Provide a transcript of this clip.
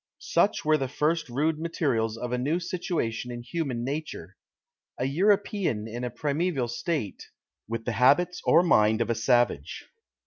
Such were the first rude materials of a new situation in human nature; an European in a primeval state, with the habits or mind of a savage.